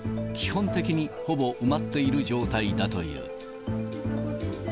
基本的にほぼ埋まっている状態だという。